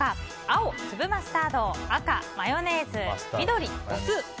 青、粒マスタード赤、マヨネーズ緑、お酢。